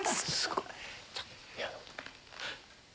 すごい！